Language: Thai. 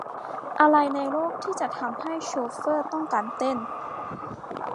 อะไรในโลกที่จะทำให้โชเฟอร์ต้องการเต้น ?